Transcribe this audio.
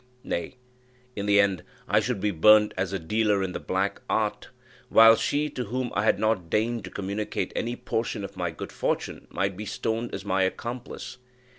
Nay, in the end I should be burnt as a dealer in the black art, while she, to whom I had not deigned to communicate any portion of my good fortune, might be stoned as my accomplice.